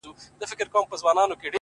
یو څوک دي ووایي چي کوم هوس ته ودرېدم “